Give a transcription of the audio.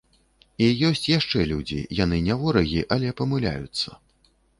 І ёсць яшчэ людзі, яны не ворагі, але памыляюцца.